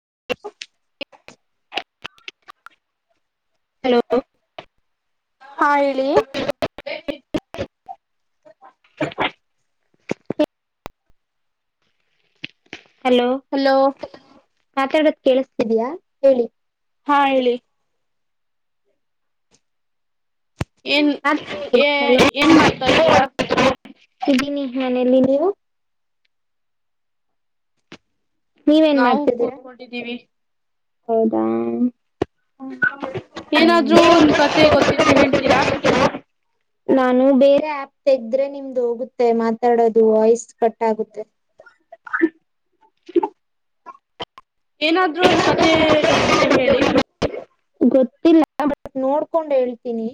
[unintelligible] Hello. ಹಾ ಹೇಳಿ. [unintelligible] Hello ಮಾತಾಡೋದು ಕೇಳಿಸ್ತಿದೆಯ ಹೇಳಿ. ಹಾ ಹೇಳಿ. ಏನ್ ಮಾತಾಡಿ. ಏ ಹಲೋ ಏನ್ ಮಾಡ್ತಾ ಇದ್ದೀರಾ. ಇದ್ದೀನಿ ಮನೇಲಿದ್ದೀನಿ. ನೀವೇನ್ ನಾವು ಮಾಡ್ತಿದ್ದೀರಾ ಕೂತ್ಕೊಂಡಿದ್ದೀವಿ. ಹೌದಾ. ಹ ಏನಾದ್ರೂ ಹ್ಮ್. ಒಂದ ಕಥೆ ಗೊತ್ತಿದ್ರೆ ಹೇಳ್ತೀರಾ ನಾನು ಬೇರೆ ಆಪ್ ತಗ್ರೆ ನಿಮ್ದು ಹೋಗುತ್ತೆ ಮಾತಾಡೋದು ವಾಯ್ಸ್ ಕಟ್ ಆಗುತ್ತೆ [unintelligible] ಏನಾದ್ರರು ಒಂದ ಕತೆೆ ಗೊತ್ತಿದ್ರೆ ಹೇಳಿ ಗೊತ್ತಿಲ್ಲಾ ಬಟ್ ನೋಡ್ಕೊಂಡ್ ಹೇಳ್ತೀನಿ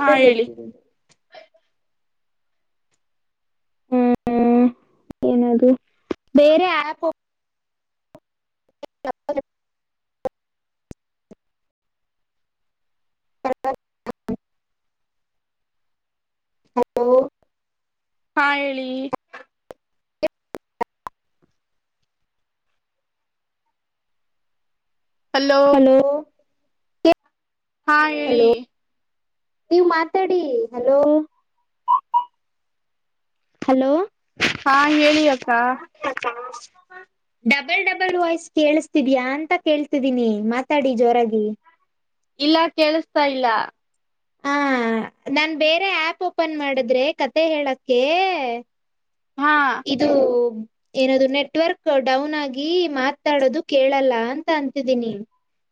ಹಾ ಹೇಳಿ ಗೊತ್ತಿರೋದು ಹ್ಮ ಏನದು ಬೇರೆ ಆಪ್ ಓಪ್ [unintelligible] ಹಲೋ ಹಾ ಹೇಳಿ ಹಲೋ ಹಾ ಹೇಳಿ ನೀವು ಮಾತಾಡಿ ಹಲೋ ಹಲೋ ಹಾ ಹೇಳಿ ಅಕ್ಕಾ ಡಬಲ್ ಡಬಲ್ ವಾಯ್ಸ್ ಕೇಳಸ್ತಿದ್ಯಾ ಅಂತ ಕೇಳ್ತಿದೀನಿ ಮಾತಾಡಿ ಜೋರಾಗಿ ಇಲ್ಲಾ ಕೇಳಿಸತಾ ಇಲ್ಲಾ ಹಾ ನಾನ್ ಬೇರೆ ಆಪ್ ಓಪನ್ ಮಾಡಿದ್ರೆ ಕತೆ ಹೇಳಕ್ಕೆ ಹಾ ಇದು ಏನದು ನೆಟ್ವರ್ಕ್ ಡೌನ್ ಆಗಿ ಮಾತಾಡೋದು ಕೇಳಲ್ಲ ಅಂತ ಅಂತಿದೀನಿ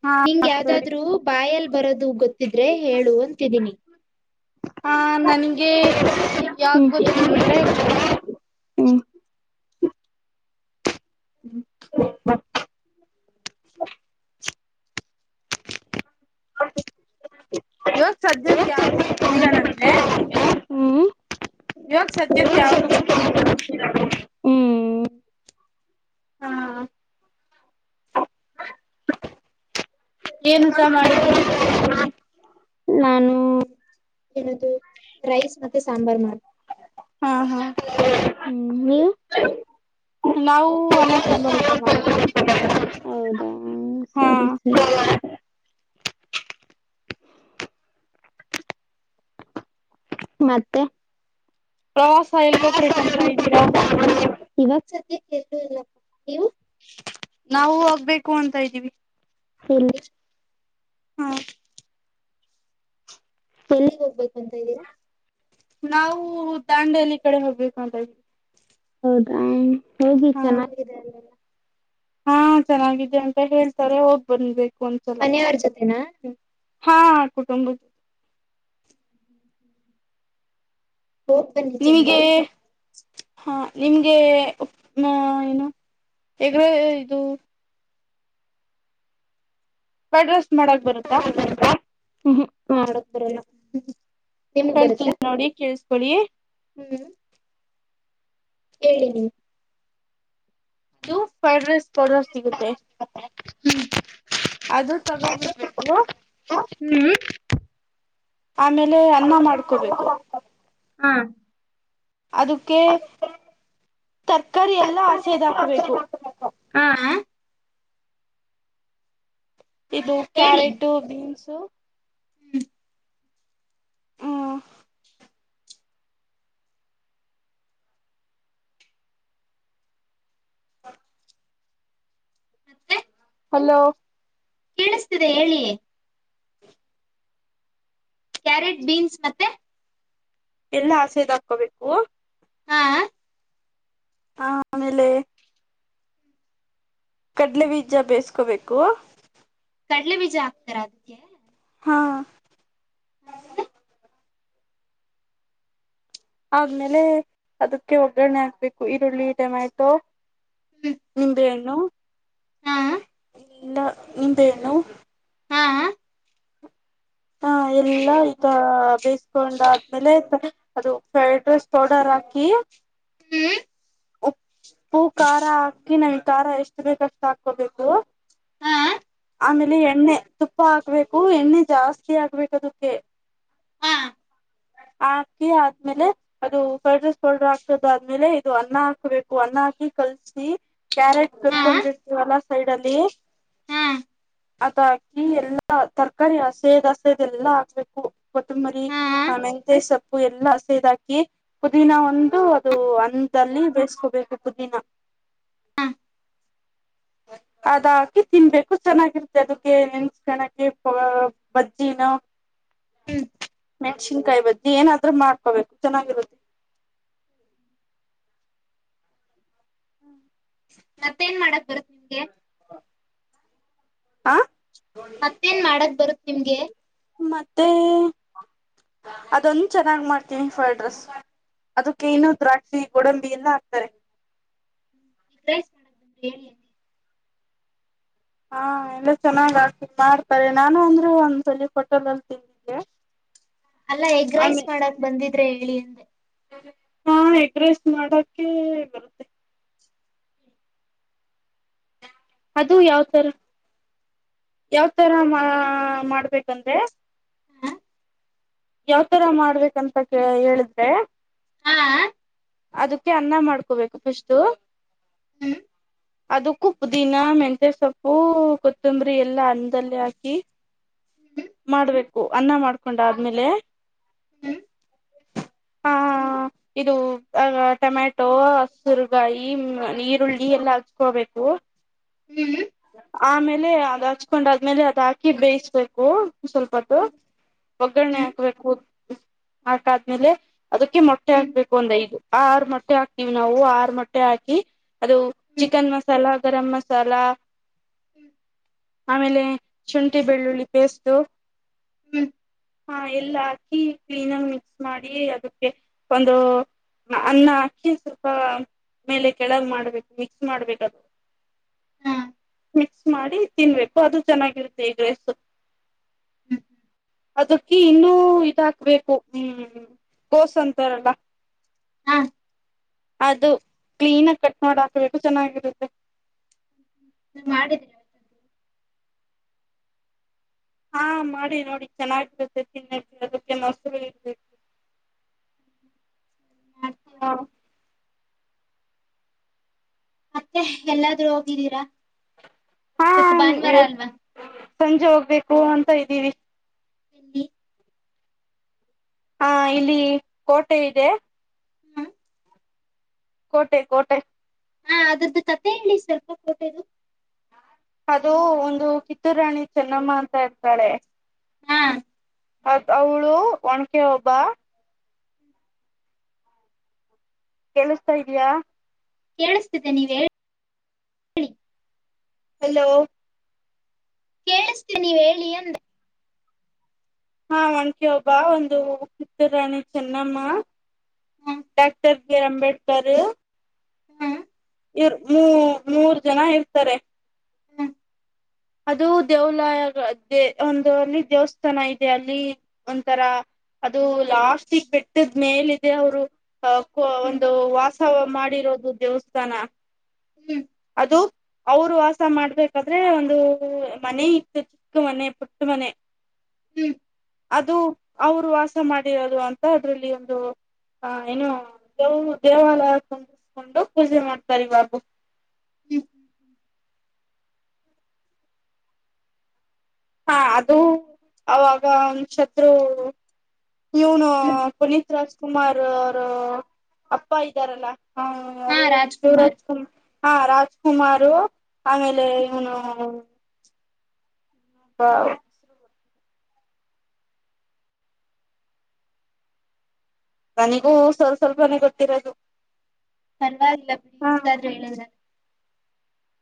ಹಾ ನಿಂಗ ಸರಿ ಯಾವ್ದಾದ್ರೂ ಬಾಯಲ್ಲಿ ಬರದು ಗೊತ್ತಿದ್ರೆ ಹೇಳು ಅಂತಿದ್ದೀನಿ ಹ ನನ್ಗೆ ಯಾವದ್ ಹ್ಮ್ ಗೊತ್ತಿದೆ ಅಂದ್ರೆ ಹ್ಮ್ [unintelligible] [inaudible] ಇವಕ್ ಸದ್ಯಕ್ಕೆ ಯಾವ್ದೂ ಗೊತ್ತಿಲ್ಲ ನನ್ಗೆ ಹೂ ಯಾಕ್ ಸದ್ಯಕ್ಕೆ ಯಾವ್ದು ಹೋಗ್ತಿಲ್ಲಾ ಹ್ಮ್ ಹಾ ಏನು ಊಟಾ ಮಾಡಿದ್ರಿ ನಾನು ಏನದು ರೈಸ್ ಮತ್ತೆ ಸಾಂಬಾರ್ ಮಾಡ ಹಾ ಹಾ ಹ್ಮ ನೀವು ನಾವು ಅನ್ನ ಸಾಂಬಾರ್ ಊಟಾ ಮಾಡಿದ್ವಿ ಹೌದಾ ಹಾ ಸರಿ ಸರಿ ಮತ್ತೆ ಪ್ರವಾಸ ಎಲಗ್ ಹೋಗ್ಬೇಕಂತಿದ್ದೀರಾ [unintelligible] ನೀವು ನಾವು ಹೋಗ್ಬೇಕು ಅಂತ ಇದ್ದೀವಿ [unintelligible] ಹಾ ಎಲ್ಲಿಗೆ ಹೋಗ್ಬೇಕು ಅಂತ ಇದ್ದೀರಾ ನಾವು ದಾಂಡಲಿ ಕಡೆ ಹೋಗ್ಬೇಕು ಅಂತವಿ ಹೌದಾ ಹೋಗಿ ಚೆನ್ನಾಗಿದೆ ಅಲ್ಲೆಲಾ ಹಾ ಚೆನ್ನಾಗಿದೆ ಅಂತ ಹೇಳ್ತಾರೆ ಹೋಗಿ ಬಂದವಿ ಮನೆಯವ್ರ ಜೊತೆನಾ ಹಾ ಕುಟುಂಬ ಹೋಗ ಬನ್ನಿ ನಿಮಗೆ ಚೆನ್ನಾಗಿದೆ ಹಾ ನಿಮ್ಗೆ ಏನು ಇರವೇ ಇದು ಅಡ್ರಸ್ ಮಾಡಕ್ ಬರುತ್ತಾ ಹ್ಮ ಹ್ಮ ಮಾಡಕ್ ಬರಲ್ಲ ನಿಮಗ್ ಬರುತ್ತಾ ಹೇಳ್ತೀನಿ ನೋಡಿ ಕೇಳಸ್ಕೊಳ್ಳಿ ಹೇಳಿನಿ ಇದು ಫೆಡ್ರಸ್ ಬಡ ಸಿಗುತ್ತೆ ಅದು ತಗೋಬಿರ್ಬೇಕು ಹ್ಮ್ ಆಮೇಲೆ ಅನ್ನ ಮಾಡ್ಕೋಬೇಕು ಹಾ ಅದಕ್ಕೆ ತರಕಾರಿ ಎಲ್ಲ ಆಸೆದ ಹಾಕಬೇಕು ಹಾ ಇದು ಕ್ಯಾರೆಟ ಬೀನ್ಸ ಹ್ಮ್ ಹ್ಮ್ [unintelligible] ಮತ್ತೆ ಹಲೋ ಕೇಳಿಸ್ತಿದೆ ಹೇಳಿಯೇ ಕ್ಯಾರೆಟ್ ಬೀನ್ಸ್ ಮತ್ತೆ ಎಲ್ಲ ಆಸೆದ ಹಾಕೋಬೇಕು ಹಾ ಆ ಆಮೇಲೆ ಕಡ್ಲೆ ಬೀಜ ಬೇಯಸ್ಕೋಬೇಕು ಕಲೆ ಬಿ ಜಾಪ್ತಾಾದತಿ ಹಾಂ ಆಮೇಲೆ ಆದ್ಮೇಲೆ ಅದಕ್ಕೆ ಒಗ್ಗರಣೆ ಆಗ್ಬೇಕು ಈರುಳ್ಳಿ ಟೊಮ್ಯಾಟೊ ಹ್ಮ್ ನಿಂಬೆ ಹಣ್ಣು ಹಾ ನಿಂಬೆಹಣ್ಣು ಹಾ ಹಾ ಎಲ್ಲ ಈಗ ಬೇಯಿಸಕೊಂಡಾದ್ಮೇಲೆ ಅದು ಫ್ರೈಡ್ ರೈಸ್ ಪೌಡರ್ ಹಾಕಿ ಹ್ಮ್ ಹೂ ಖಾರ ಹಾಕಿ ನಮಗ್ ಖಾರ ಎಷ್ಟು ಬೇಕಷ್ಟು ಹಾಕೋಬೇಕು ಹಾ ಆಮೇಲೆ ಎಣ್ಣೆ ತುಪ್ಪ ಹಾಕ್ಬೇಕು ಎಣ್ಣೆ ಜಾಸ್ತಿ ಹಾಕ್ಬೇಕು ಅದಕ್ಕೆ ಹಾ ಹ ಹಾಕಿ ಆದ್ಮೇಲೆ ಅದು ಫೈಡ್ರೈಸ್ ಪೌಡರ್ ಹಾಕದಾದ್ಮೇಲೆ ಇದು ಅನ್ನ ಹಾಕ್ಬೇಕು ಅನ್ನ ಹಾ ಕಲ್ಸಿ ಕ್ಯಾರೆಟ್ ಹಾ ಕರ್ಕೊಂಡಿರ್ತೀವಲ್ಲ ಸೈಡ್ ಅಲ್ಲಿ ಹಾ ಅದ ಹಾಕಿ ಎಲ್ಲಾ ತರಕಾರಿ ಹಸೇದ್ ಹಸೇದ್ ಎಲ್ಲಾ ಹಾಕ್ಬೇಕು ಕೊತ್ತಂಬರಿ ಹಾ ಆಮ ಗೆ ಸೊಪ್ಪು ಎಲ್ಲ ಸೇದಾಕಿ ಪುದೀನ ಒಂದು ಅದು ಅಂದಲ್ಲಿ ಬೇಯಸ್ಕೋಬೇಕು ಪುದೀನ ಹಾ ಹ ಅದ ಹಾಕಿ ತಿನ್ಬೇಕು ಚೆನ್ನಾಗಿರುತ್ತೆ ಅದಕ್ಕೆ ನೆನ್ಸ್ಕಣಕ್ಕೆ ಬಜ್ಜಿನೋ ಹ್ಮ್ ಮೆಣಸಿನಕಾಯಿ ಬಜೀ ಏನಾದ್ರರು ಮಾಡ್ಕೋಬೇಕು ಚೆನ್ನಾಗಿರುತ್ತೆ ಮತ್ತೇನ್ ಮಾಡಕ್ ಬರುತ್ ನಿಮ್ಗೆ [unintelligible] ಹ ಮತ್ತೇನ್ ಮಾಡಕ್ ಬರುತ್ ನಿಮಗೆ ಮತ್ತೆ ಅದೊಂದು ಚೆನ್ನಾಗಿ ಮಾಡ್ತೀನಿ ಫ್ರೈಡ್ ರೈಸ್ ಅದಕ್ಕೆ ಇನ್ನುೂ ದ್ರಾಕ್ಷಿ ಗೋಡಂಬಿ ಎಲ್ಲ ಹಾಕ್ತಾರೆ ಈಗೈಸ್ ಮಾಡಕ್ ಬಂದ ಹೇಳಿ ಅಂತ ಹಾ ಎಲ್ಲ ಚೆನ್ನಾಗ್ ಆಗ್ತೀನಿ ಮಾಡ್ತಾರೆ ನಾನು ಅಂದ್ರರು ಒಂದ್ ಸಲಿ ಕೊಟ್ಟಲಲ್ ತಿನ್ನಿಗೆ ಹ ಅಲ್ಲಾ ಎಗ ರೈಸ್ ಮಾಡಕ್ ಬಂದಿದ್ರೆ ಹೇಳಿ ಅಂದೆ ಹಾ ಎಡ್ರೆಸ್ಟ್ ಮಾಡೋಕೆ ಬರುತ್ತೆ ಅದು ಯಾವ್ತರ ಯಾವತರ ಮಾ ಮಾಡ್ಬೇಕಂದ್ರೆ ಯಾವತರ ಮಾಡ್ಬೇಕಂತ ಕ ಹೇಳಿದ್ರೆ ಹಾ ಅದಕ್ಕೆ ಅನ್ನ ಮಾಡ್ಕೋಬೇಕು ಫಸ್ಟ್ ಹಲೊ. ಅದಕ್ಕೂ ಪುದೀನ ದಿನ ಮೆಂಂತೆ ಸೊಪ್ಪು ಕೊತ್ತಂಬರಿ ಎಲ್ಲಾ ಅನ್ನದಲ್ಲೇ ಹಾಕಿ. ಮಾಡ್ಬೇಕು ಅನ್ನ ಮಾಡ್ಕೊಂಡ ಆದ್ಮೇಲೆ. ಹ್ಮ್. ಹಾ. ಇದು ಆ ಟೊಮ್ಯಾಟೊ ಹಸುರ್ಗಾಯಿ ಈರುಳ್ಳಿ ಎಲ್ಲ ಹಚ್ಕೋಬೇಕು. ಕು. ಹ್ಮ್ಹ್. ಆಮೇಲೆ ಅದ್ ಹಚ್ಕೊಂಡ್ ಅದ್ಮೇಲೆ ಅದ ಹಾಕಿ ಬೇಯಿಸ್ಬೇಕು. ಸ್ವಲ್ಪ ಹೊತ್ತು ಹ್ಮ್ ಒಗ್ಗರಣೆ ಹ್ಮ್ ಹ್ಮ್ ಹಾಕ್ಬೇಕು ಹಾಕ ಆದ್ಮೇಲೆ. ಅದಕ್ಕೆ ಮೊಟ್ಟೆ ಹ್ಮ್ ಹಾಕ್ಬೇಕು ಒಂದ್ ಐದು ಆರ ಮೊಟ್ಟೆ ಹಾಕ್ತೀವಿ ನಾವು ಆರು ಮೊಟ್ಟೆ ಹಾಕಿ. ಅದು ಹ್ಮ್ ಚಿಕನ್ ಮಸಾಲಾ ಗರಂ ಮಸಾಲಾ. ಹ್ಮ. ಆಮೇಲೆ ಶುಂಠಿ ಬೆಳ್ಳುಳ್ಳಿ ಪೇಸ್ಟು. ಹ್ಮ್ ಹ್ಮ್ ಹಾ ಎಲ್ಲ ಹಾಕಿ ಕ್ಲೀನ್ ಆಗಿ ಮಿಕ್ಸ್ ಮಾಡಿ ಅದಕ್ಕೆ ಒಂದು. ಅನ್ನ ಅಕ್ಕಿ ಸ್ವಲ್ಪ ಮೇಲೆ ಕೆಳಗೆ ಮಾಡ್ಬೇಕು ಮಿಕ್ಸ್ ಮಾಡ್ಬೇಕ ಅದು. ಹಾ ಮಿಕ್ಸ್ ಮಾಡಿ ತಿನ್ಬೇಕು ಅದು ಚೆನ್ನಾಗಿರುತ್ತೆ ಎಗ್ ರೈಸ್ ಸು. ಅದಕ್ಕೆ ಇನ್ನೂ ಇದ ಹಾಕ್ಬೇಕು ಹ್ಮ್ ಕೋಸ್ ಅಂತಾರಲ್ಲ. ಹಾ. ಅದು ಕ್ಲೀನ್ ಆಗಿ ಕಟ್ ಮಾಡ ಹಾಕ್ಬೇಕು ಚೆನ್ನಾಗಿರುತ್ತೆ. ನೀ ಮಾಡಿದ್ರಿ. ಹಾ ಮಾಡಿ ನೋಡಿ ಚೆನ್ನಾಗಿರುತ್ತೆ ತಿನಕೆ ಅದಕ್ಕೆ ಮೊಸರು ಇರ್ಬೇಕು. [inaudible] ಮಾಡ್ತಿವ್ ಹ ಬಿಡಿ. ಮತ್ತೆ ಎಲ್ಲಾದ್ರೂ ಓದಿದ್ದೀರಾ. ಹಾ ಇವತ್ತು ಸಂಜೆ ಹೋಗ್ಬೇಕು ಅಂತ ಇದ್ದೀವಿ. ತಿಂದಿ. ಹಾ ಇಲ್ಲಿ ಕೋಟೆ ಇದೆ. ಹಾ ಕೋಟೆ ಕೋಟೆ. ಹಾ ಅದ್ರದ್ದು ಕತೆ ಹೇಳಿ ಸ್ವಲ್ಪ ಕೋಟದು. ಅದು ಒಂದು ಕಿತ್ತೂರ ರಾಣಿ ಚೆನ್ನಮ್ಮ ಅಂತ ಇರ್ತಾಳೆ. ಹಾ. ಅದ್ ಅವಳು ಒನಕೆ ಒಬ್ಬ. ಕೆಲ್ಸ್ತಾ ಇದಯಾ. ಕೇಳಿಸ್ತಿದೆೆ ನೀವ ಹೇಳಿ. ಹಲೋ. ಕೇಳಿಸ್ತೀ ನೀವ ಹೇಳಿ ಅಂದೆ. ಹಾ ಒನಕೆ ಒಬ್ಬವ ಒಂದು ಕಿತ್ತೂರಾಣಿ ಚೆನ್ನಮ್ಮ. ಹ್ಮ್ ಡಾಕ್ಟರ್ ಬಿ ಅಂಬೇಡ್ಕರ್ ರು. ಹ್ಮ್ ಇವರ ಮೂ ಮೂರ್ ಜನ ಇರ್ತಾರೆ. ಹ್ಮ್ ಅದು ದೇವುಲಯಕ ದೇ ಒಂದು ಅಲ್ಲಿ ದೇವಸ್ಥಾನ ಇದೆ ಅಲ್ಲಿ ಒಂಥರ. ಅದು ಲಾಸ್ಟಗ ಬೆಟ್ಟದ ಮೇಲ್ ಇದೆ ಅವರು. ಅ ಕೋ ಹ್ಮ್ ಒಂದು ವಾಸವ ಮಾಡಿರೋದು ದೇವಸ್ಥಾನ. ಹ್ಮ್. ಅದು. ಅವರು ವಾಸ ಮಾಡ್ಬೇಕಾದ್ರೆ ಒಂದು ಮನೆ ಇತ್ತಿತ್ತು ಮನೆ ಪುಟ್ಟ ಮನೆ. ಹ್ಮ್ ಅದು ಅವರು ವಾಸ ಮಾಡಿರೋದು ಅಂತ ಅದ್ರಲ್ಲಿ ಒಂದು. ಹಾ ಏನು ದೇವ ದೇವಾಲಯ ಕುಂದಿಸ್ಕೊಂಡು ಪೂಜೆ ಮಾಡ್ತಾರಿ ಇವಾಗು. ಹ್ಮ್. ಹಾ ಅದು ಅವಾಗ ಅವನ ಶತ್ರು. ಇವನು ಹ್ಮ್ ಪುನೀತ್ ರಾಜ್ ಕುುಮಾರ್ ಅವರು ಅಪ್ಪ ಇದ್ದಾರಲ್ಲಾ ಹಾ ಹಾ ಯಾರು ರಾಜ್ಕುಮಾರ್ ಶಿವರಾಜ್ ಕುಮಾರ್ ಹಾ ರಾಜಕುಮಾರ್ ಆಮೇಲೆ ಹ್ಮ್, ಇನು ಹ ನನಿಗೂ ಸ್ಲ್ ಸ್ವಲ್ಪನೆ ಗೊತ್ತಿರದು ಧನ್ವಾದಲ್ಲ ಬಸ್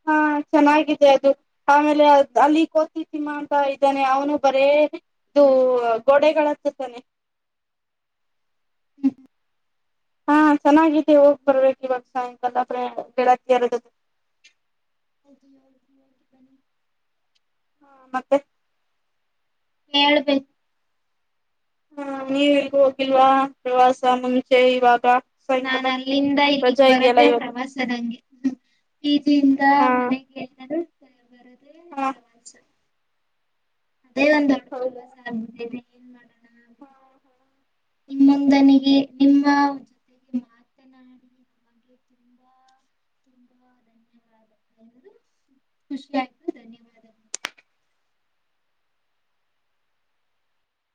ಹಾ ಚೆನ್ನಾಗಿದೆ ಅದು ಆಮೇಲೆ ಅಲ್ಲಿ ಕೋತಿ ತಿಮ್ಮಾ ಅಂತ ಇದ್ದಾನೆ ಅವನು ಬರೇ ಇದು ಗೋಡೆಗಳ ಹತ್ತ ತಾನೆ ಹಾ ಚೆನ್ನಾಗಾಗಿದೆ ಹೋಗ್ ಬರ್ಬೇಕ ಇವಾಗ ಸಾಯಂಕಾಲ ಗೆಳತಿಯರ [inaudible] ಹ ಹೌ [unintelligible] ಹಾ ಮತ್ತೆ ಏಳು ಬೆ ಹಾ ನೀವಲ್ಗೂ ಹೋಗಿಲ್ವಾ ಪ್ರವಾಸ ಮುಂಚೆ ಇವಾಗ ನಾ ಸಾಯಂಕಾಲ ಅಲ್ಲಿಂದ ಇಲ್ಲಿಗ್ ರಜಾ ಇದೆಯಲ್ಲ ಬರದೇ ಇವತ್ತು ಪ್ರವಾಸದಂಗೆ ಬೀದಿಯಿಂದ ಹಾ ಮನೆಗೆ ಎಲ್ಲರೂ ಬರದೇ ಹಾ ಪ್ರವಾಸ ಅದೇ ಒಂದ್ ದೊಡ್ ಹೌದಾ ಪ್ರವಾಸ ಆಗ ಮುಂದದೆ ಏನ್ ಮಾಡೋಣ ಬಿಡಿ ನಿಮ್ಮೊಂದನಿಗೆ ನಿಮ್ಮ ಜೊತೆಗೆ ಮಾತನಾಡಿ ನಮಗೆ ತುಂಬಾ ತುಂಬಾ ಧನ್ಯವಾದ ಖುಷಿ ಆಯ್ತು ಧನ್ಯವಾದಗಳು